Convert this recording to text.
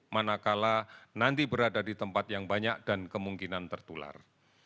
manakala nanti berada di tempat yang banyak dan kemungkinan tertular